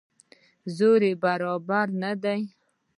زور برابر نه دی.